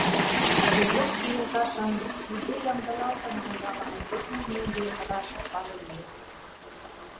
Врублевский йолташын «Кузе ямдылалтын улыда?» манын йодмыж мӧҥгӧ, рашак пале лие.